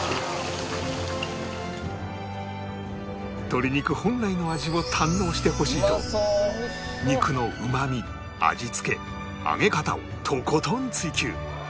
鶏肉本来の味を堪能してほしいと肉のうまみ味付け揚げ方をとことん追求